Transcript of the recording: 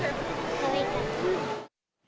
かわいかった。